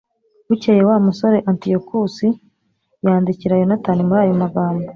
bukeye, wa musore antiyokusi yandikira yonatani muri ayo magambo